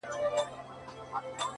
څوك مي دي په زړه باندي لاس نه وهي ـ